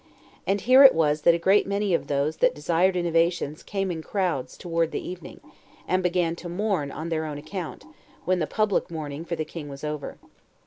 And here it was that a great many of those that desired innovations came in crowds towards the evening, and began then to mourn on their own account, when the public mourning for the king was over.